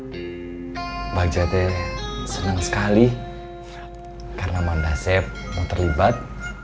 ya bagja ta senang sekali karena mbak mbak sef mau terlibat